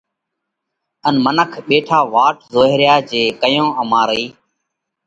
ان منک ٻيٺا واٽ زوئه ريا جي ڪئيون امارِي